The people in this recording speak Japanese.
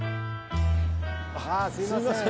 ああすいません。